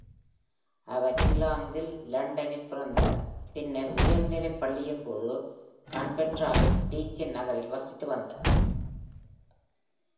அவர் இங்கிலாந்தில் லண்டனில் பிறந்தார், பின்னர் உயர்நிலைப் பள்ளியின் போது கான்பெர்ராவின் டீக்கின் நகரில் வசித்து வந்தார்.